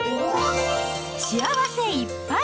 幸せいっぱい！